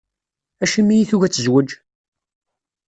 Acimi i tugi ad tezweǧ?